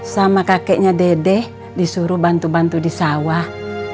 sama kakeknya dede disuruh bantu bantu di sawah